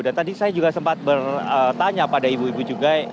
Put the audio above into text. dan tadi saya juga sempat bertanya pada ibu ibu juga